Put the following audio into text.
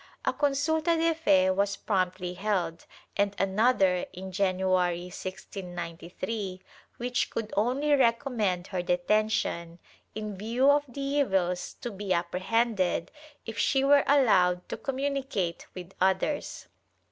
A consulta de fe was promptly held, and another in January, 1693, which could only recommend her detention, in view of the evils to be apprehended if she were allowed to com municate with others.